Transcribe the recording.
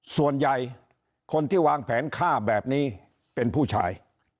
ส่วนใหญ่คนที่วางแผนฆ่าแบบนี้เป็นผู้ชาย